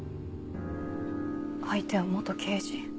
相手は刑事。